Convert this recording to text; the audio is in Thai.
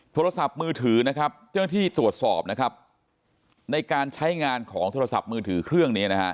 โทรศัพท์มือถือเจ้าหน้าที่สวดสอบในการใช้งานของโทรศัพท์มือถือเครื่องนี้